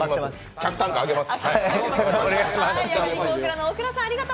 客単価上げます。